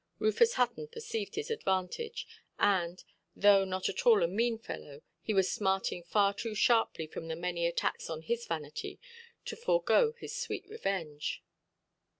Rufus Hutton perceived his advantage, and, though not at all a mean fellow, he was smarting far too sharply from the many attacks on his vanity, to forego his sweet revenge.